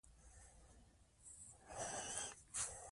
هغوی د دې خاورې لپاره ډېرې قربانۍ ورکړي دي.